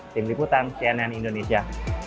tim liputan cnn indonesia